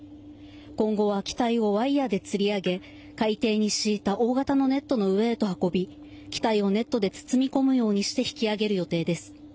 今後は機体をワイヤーでつり上げ海底に敷いた大型のネットの上へと運び機体をネットで包み込むようにして引き揚げる予定です。